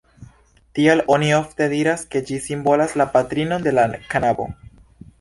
Tial oni ofte diras, ke ĝi simbolas la patrinon de la knabo.